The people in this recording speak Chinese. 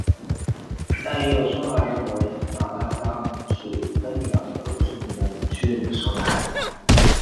但也有说法认为玛纳加尔姆是芬里尔和不知名的女巨人生的孩子。